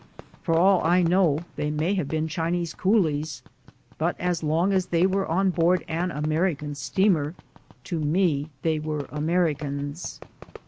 For all I know they may have been Chinese coolies, but as long as they were on board an American steamer, to me they were Ameri cans.